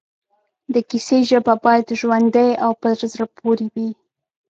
د کیسې ژبه باید ژوندۍ او پر زړه پورې وي